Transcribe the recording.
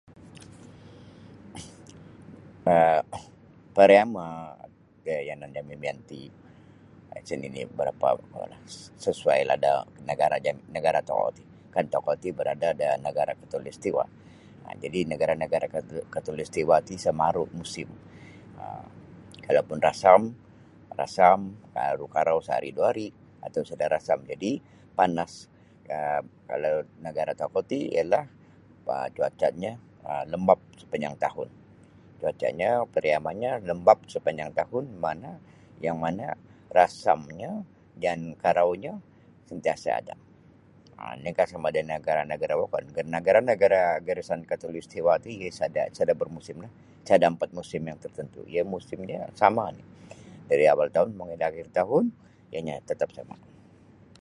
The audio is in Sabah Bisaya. um Pariama da yanan jami miyan ti isa nini berapa kuolah sesuailah da negara jami nagara tokou kan tokou ti berada di negara khatulistiwa jadi iti nagara-nagara khatulistiwa ti sa maru musim kalau pun rasam rasam aru karau sa ari dua ari atau sada rasam jadi panas kalau nagara tokou ti ialah cuacanyo um lembap sepanjang tahun cuacanyo pariamanyo lembap sepanjang tahun makna yang mana rasamnyo jan karaunyo sentiasa ada lainkah sama da negara wokon negara-negara garisan khatulistiwa ti iyo sada bermusim sada ampat musim yang tertentu iyo musimnyo sama oni dari awal tahun mongoi da akhir tahun iyonya tetap sama.